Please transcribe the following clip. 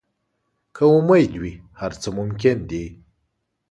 که امید وي، هر څه ممکن دي.